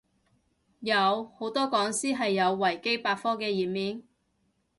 有，好多講師係有維基百科嘅頁面